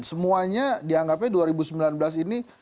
semuanya dianggapnya dua ribu sembilan belas ini